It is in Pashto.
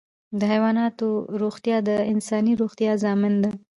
د حیواناتو روغتیا د انساني روغتیا ضامن ده.